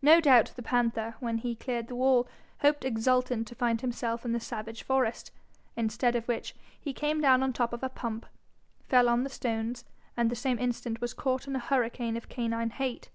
No doubt the panther, when he cleared the wall, hoped exultant to find himself in the savage forest, instead of which he came down on the top of a pump, fell on the stones, and the same instant was caught in a hurricane of canine hate.